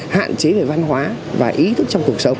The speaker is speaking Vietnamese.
hạn chế về văn hóa và ý thức trong cuộc sống